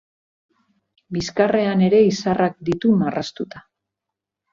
Bizkarrean ere izarrak ditu marraztuta.